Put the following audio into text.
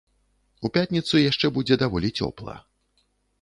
У пятніцу яшчэ будзе даволі цёпла.